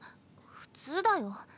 普通だよ。